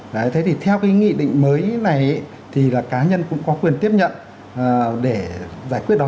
đấy thế thì theo cái nghị định mới này thì là cá nhân cũng có quyền tiếp nhận để giải quyết đó